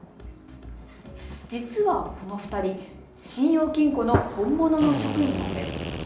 実はこの２人、信用金庫の本物の職員なんです。